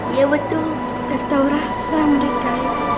iya betul tertawurah sama mereka